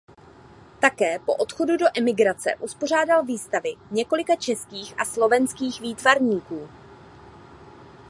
Také po odchodu do emigrace uspořádal výstavy několika českých a slovenských výtvarníků.